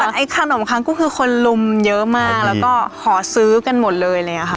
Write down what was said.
แต่ไอขนมครั้งก็คือคนลุมเยอะมากแล้วก็ห่อซื้อกันหมดเลยเลยค่ะ